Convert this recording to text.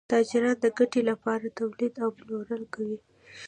تاجران د ګټې لپاره تولید او پلور کوي.